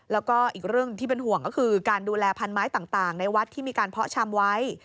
แล้วก็อีกเรื่องที่เป็นห่วงก็คือการดูแลพันไม้ต่างในวัดที่มีการเพาะชำไว้